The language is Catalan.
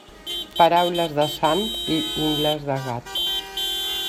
Paraules de sant i ungles de gat.